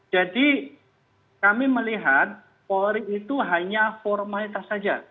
jadi kami melihat polri itu hanya formalitas saja